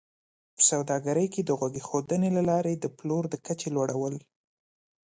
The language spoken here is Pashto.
په سوداګرۍ کې د غوږ ایښودنې له لارې د پلور د کچې لوړول